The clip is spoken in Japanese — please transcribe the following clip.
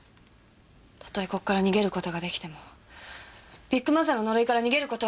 たとえここから逃げる事が出来てもビッグマザーの呪いから逃げる事は出来ない！